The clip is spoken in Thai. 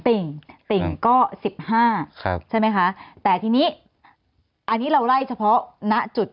ติ่งติ่งก็๑๕ใช่ไหมคะแต่ทีนี้อันนี้เราไล่เฉพาะณจุด